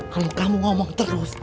kalau kamu ngomong terus